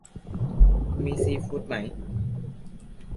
มีซีฟู้ดไหม